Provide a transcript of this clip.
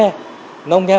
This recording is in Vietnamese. nó không nghe